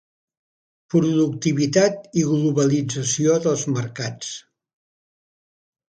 Productivitat i globalització dels mercats.